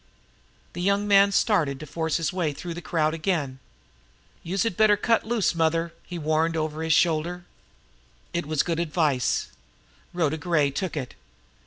The young man started to force his way through the crowd again. "Youse had better cut loose, mother!" he warned over his shoulder. It was good advice. Rhoda Gray took it.